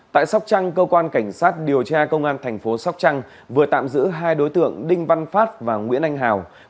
tại sóc trăng cơ quan cảnh sát điều tra công an thành phố sóc trăng vừa tạm giữ hai đối tượng đinh văn phát và nguyễn anh hào